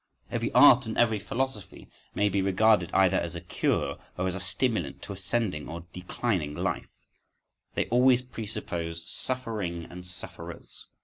… Every art and every philosophy may be regarded either as a cure or as a stimulant to ascending or declining life: they always presuppose suffering and sufferers.